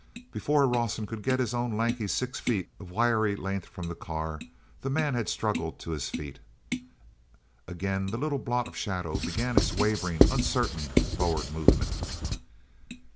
Before Rawson could get his own lanky six feet of wiry length from the car, the man had struggled to his feet. Again the little blot of shadow began its wavering, uncertain, forward movement.